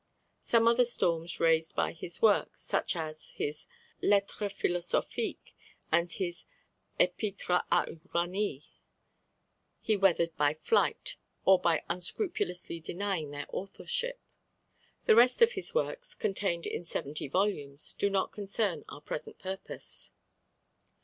Some other storms raised by his works, such as his Lettres Philosophiques and his Epître à Uranie, he weathered by flight, or by unscrupulously denying their authorship. The rest of his works, contained in seventy volumes, do not concern our present purpose.